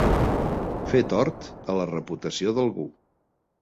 Fer tort a la reputació d'algú.